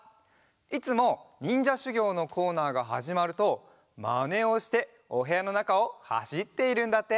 いつもにんじゃしゅぎょうのコーナーがはじまるとマネをしておへやのなかをはしっているんだって。